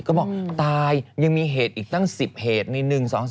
ก็บอกตายยังมีเหตุอีกตั้ง๑๐เหตุใน๑๒๓